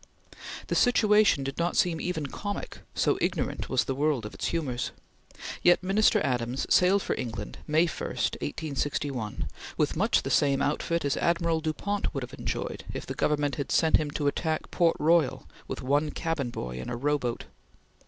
The situation did not seem even comic, so ignorant was the world of its humors; yet Minister Adams sailed for England, May 1, 1861, with much the same outfit as Admiral Dupont would have enjoyed if the Government had sent him to attack Port Royal with one cabin boy in a rowboat.